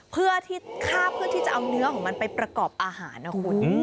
เพื่อที่คาบเพื่อที่จะเอาเนื้อของมันไปประกอบอาหารนะคุณ